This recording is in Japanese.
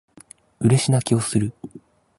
嬉し泣きをする